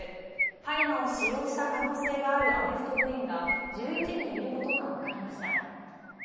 大麻を使用した可能性があるアメフト部員が１１人いることが分かりました。